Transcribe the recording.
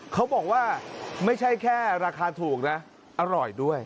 เขาบอกว่าไม่ใช่แค่ราคาถูกนะอร่อยด้วย